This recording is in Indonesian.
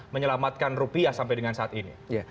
menyelamatkan rupiah sampai dengan saat ini